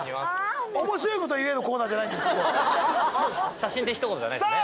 写真でひと言じゃないんですね。